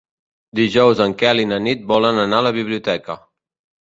Dijous en Quel i na Nit volen anar a la biblioteca.